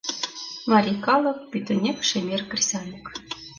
Марий калык — пӱтынек шемер кресаньык.